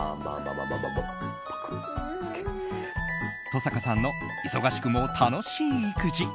登坂さんの忙しくも楽しい育児。